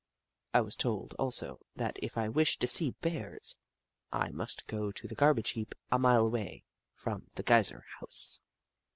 I was told, also, that if I wished to see Bears, I must go to Snoof 63 the garbage heap, a mile away from the Gey ser House.